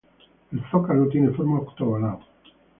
El zócalo tiene forma octogonal.